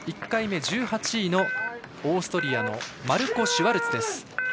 １回目、１８位のオーストリアのマルコ・シュワルツ。